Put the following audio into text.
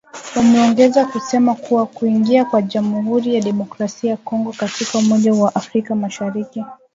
Wameongeza kusema kuwa kuingia kwa Jamuhuri ya Demokrasia ya Kongo katika umoja wa afrika mashariki